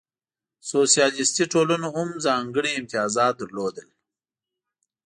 سوسیالیستي ټولنو هم ځانګړې امتیازات درلودل.